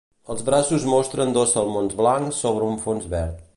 Els braços mostren dos salmons blancs sobre un fons verd.